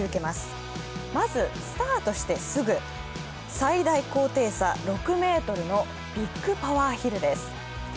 まず、スタートしてすぐ最大高低差６ｍのビッグパワーヒルです。